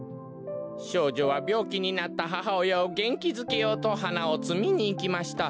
しょうじょはびょうきになったははおやをげんきづけようとはなをつみにいきました。